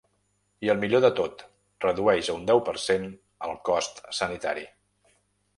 I el millor de tot, redueix a un deu per cent del cost sanitari.